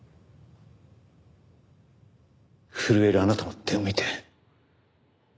震えるあなたの手を見て。